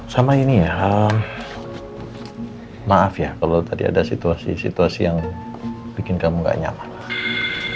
sama ini ya maaf ya kalau tadi ada situasi situasi yang bikin kamu gak nyaman